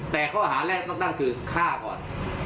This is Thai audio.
แต่ข้อหาแรกต้องตั้งคือฆ่าก่อน